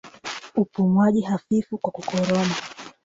Upumuaji hafifu kwa kukoroma